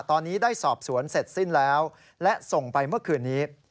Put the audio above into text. ตอนนี้ได้สอบสวนเสร็จสิ้นแล้วและส่งไปเมื่อคืนนี้